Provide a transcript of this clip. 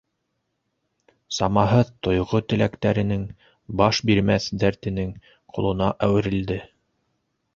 Самаһыҙ тойғо-теләктәренең, баш бирмәҫ дәртенең ҡолона әүерелде.